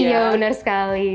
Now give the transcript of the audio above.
iya benar sekali